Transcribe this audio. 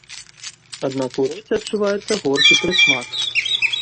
Аднак у роце адчуваецца горкі прысмак.